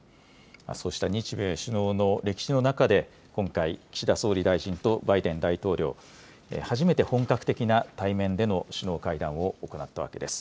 そうした日米首脳の歴史の中で、今回、岸田総理大臣とバイデン大統領、初めて本格的な対面での首脳会談を行ったわけです。